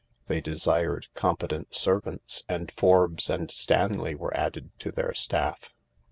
They desired competent servants : and Forbes and Stanley were added to their staff.